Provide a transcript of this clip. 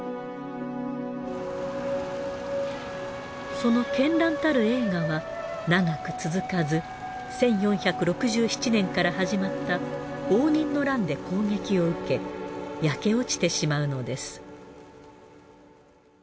その絢爛たる栄華は長く続かず１４６７年から始まった応仁の乱で攻撃を受け焼け落ちてしまうのです。